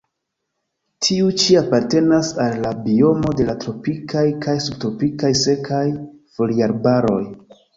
Tiu ĉi apartenas al la biomo de la tropikaj kaj subtropikaj sekaj foliarbaroj.